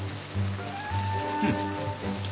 うん。